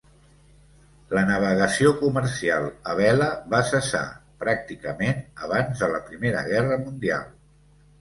La navegació comercial a vela va cessar, pràcticament, abans de la Primera Guerra Mundial.